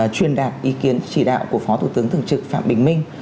truyền đạt ý kiến chỉ đạo của phó thủ tướng thường trực phạm bình minh